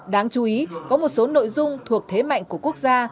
đáng chú ý có một số nội dung thuộc thế mạnh của quốc gia